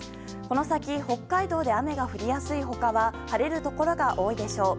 この先北海道で雨が降りやすい他は晴れるところが多いでしょう。